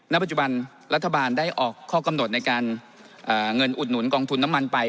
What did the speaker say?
ปัจจุบันรัฐบาลได้ออกข้อกำหนดในการเงินอุดหนุนกองทุนน้ำมันไป